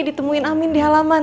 ditemuin amin di halaman